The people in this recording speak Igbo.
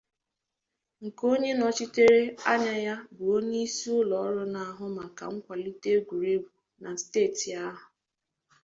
nke onye nọchitere anya ya bụ onyeisi ụlọọrụ na-ahụ maka nkwàlite egwuregwu na steeti ahụ